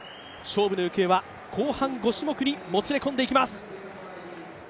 勝負の行方は後半５種目にもつれ込んでいきます。